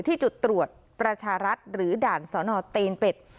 ที่จุดตรวจประชาญหรือด่านเส้นอ่อนเตนเบ็ด